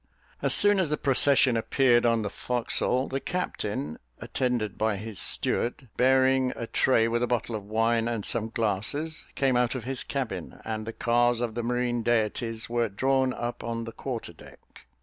As soon as the procession appeared on the forecastle, the captain, attended by his steward, bearing a tray with a bottle of wine and some glasses, came out of his cabin, and the cars of the marine deities were drawn up on the quarter deck.